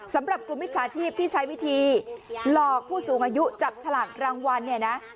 สำหรับกลุ่มมิจฉาชีพที่ใช้วิธีหลอกผู้สูงอายุจับฉลากรางวัลเนี่ยนะ